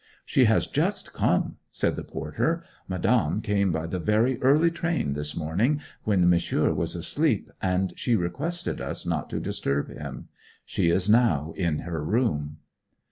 'She has just come,' said the porter. 'Madame came by the very early train this morning, when Monsieur was asleep, and she requested us not to disturb him. She is now in her room.'